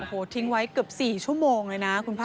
โอ้โหทิ้งไว้เกือบ๔ชั่วโมงเลยนะคุณพ่อ